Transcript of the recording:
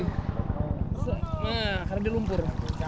nah karena dia lumpur